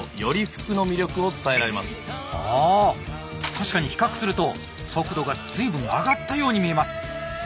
確かに比較すると速度が随分上がったように見えます。